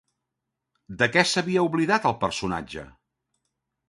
De què s'havia oblidat el personatge?